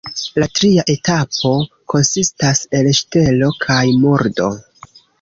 La tria etapo konsistas el ŝtelo kaj murdo.